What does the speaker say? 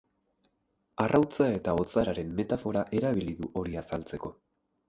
Arrautza eta otzararen metafora erabili du hori azaltzeko.